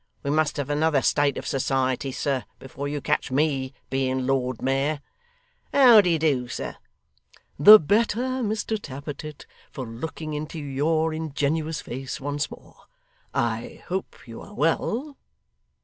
We must have another state of society, sir, before you catch me being Lord Mayor. How de do, sir?' 'The better, Mr Tappertit, for looking into your ingenuous face once more. I hope you are well.